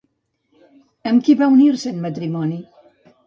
Amb qui va unir-se en matrimoni?